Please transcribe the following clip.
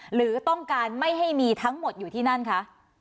หรือต้องการไม่ให้มีทั้งหมดอยู่ที่นั่นคะ